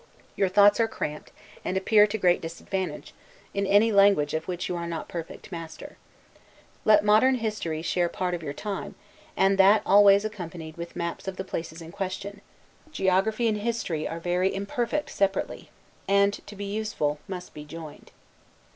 Your thoughts are cramped, and appear to great disadvantage, in any language of which you are not perfect master. Let modern history share part of your time, and that always accompanied with the maps of the places in question; geography and history are very imperfect separately, and, to be useful, must be joined.